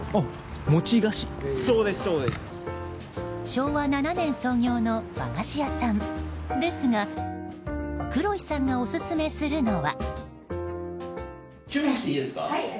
昭和７年創業の和菓子屋さんですがクロイさんがオススメするのは。